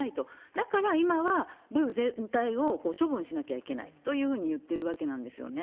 だから今は部全体を処分しなきゃいけないというふうにいってるわけなんですよね。